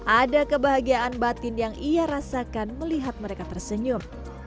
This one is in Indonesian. ada kebahagiaan batin yang ia rasakan melihat mereka tersenyum